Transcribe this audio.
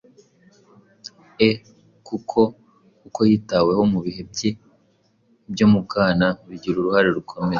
e kuko uko yitaweho mu bihe bye byo mu bwana bigira uruhare rukomeye